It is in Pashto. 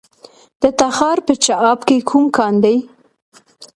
د تخار په چاه اب کې کوم کان دی؟